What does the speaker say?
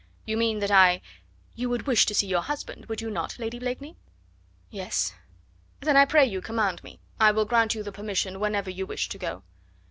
You mean that I " "You would wish to see your husband, would you not, Lady Blakeney?" "Yes." "Then I pray you command me. I will grant you the permission whenever you wish to go."